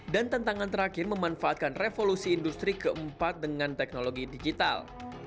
dan tantangan terakhir memanfaatkan revolusi industri keempat dengan teknologi digital